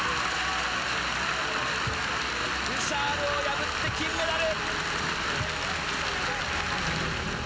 ブシャールを破って金メダル！